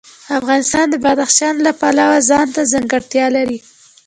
افغانستان د بدخشان د پلوه ځانته ځانګړتیا لري.